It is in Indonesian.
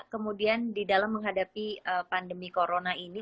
kemudian didalam menghadapi pandemi corona ini